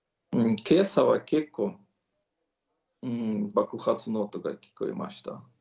けさは結構、爆発の音が聞こえました。